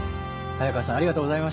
早川さんありがとうございました。